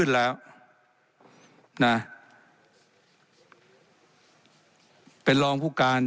และยังเป็นประธานกรรมการอีก